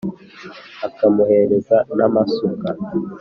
akamuhereza n ámasúka